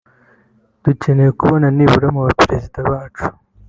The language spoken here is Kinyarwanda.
dukeneye kubona nibura mu Baperezida bacu